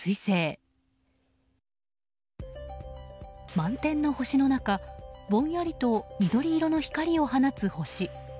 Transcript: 満天の星の中ぼんやりと緑色の光を放つ星。